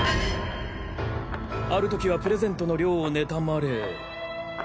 ある時はプレゼントの量を妬まれ。